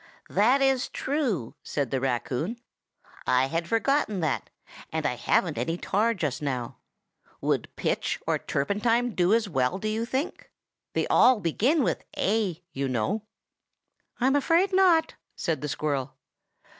"That is true," said the raccoon. "I had forgotten that, and I haven't any tar just now. Would pitch or turpentine do as well, do you think? They all begin with 'A', you know." "I'm afraid not!" said the squirrel.